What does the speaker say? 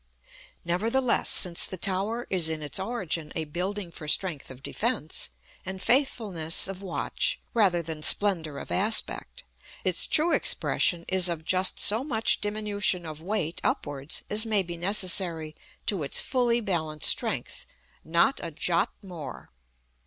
Nevertheless, since the tower is in its origin a building for strength of defence, and faithfulness of watch, rather than splendor of aspect, its true expression is of just so much diminution of weight upwards as may be necessary to its fully balanced strength, not a jot more.